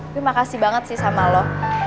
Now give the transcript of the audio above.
gue makasih banget sih sama lo